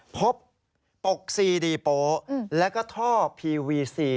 พบตกซีดีโปะและท่อพีวีซี